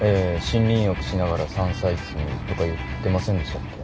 森林浴しながら山菜摘みとか言ってませんでしたっけ？